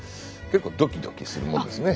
結構ドキドキするもんですね。